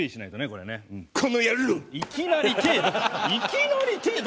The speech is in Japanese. いきなり手。